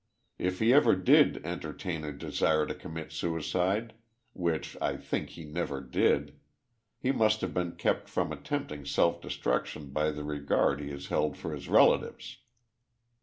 If he ever did en tertain a desire to commit suicide, which I think he never did, he must have been kept from attempting self destruction b} r the re gal'd he lias held for his relatives.